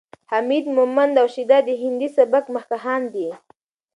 حمید مومند او شیدا د هندي سبک مخکښان دي.